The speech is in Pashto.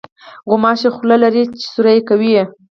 غوماشه خوله لري چې سوري کوي.